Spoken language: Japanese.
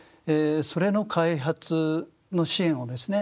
それの開発の支援をですね